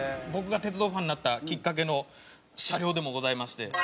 僕が鉄道ファンになったきっかけの車両でもございまして。